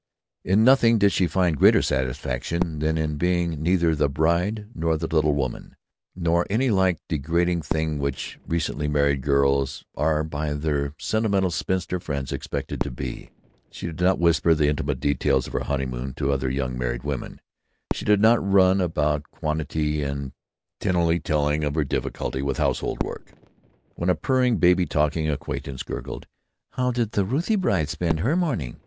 In nothing did she find greater satisfaction than in being neither "the bride" nor "the little woman" nor any like degrading thing which recently married girls are by their sentimental spinster friends expected to be. She did not whisper the intimate details of her honeymoon to other young married women; she did not run about quaintly and tinily telling her difficulties with household work. When a purring, baby talking acquaintance gurgled: "How did the Ruthie bride spend her morning?